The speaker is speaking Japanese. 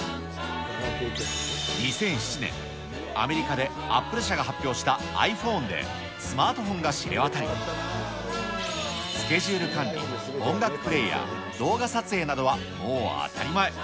２００７年、アメリカでアップル社が発表したｉＰｈｏｎｅで、スマートフォンが知れわたり、スケジュール管理、音楽プレーヤー、動画撮影などはもう当たり前。